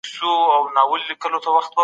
موږ کيسې حلوو.